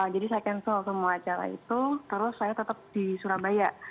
jadi saya cancel semua acara itu terus saya tetap di surabaya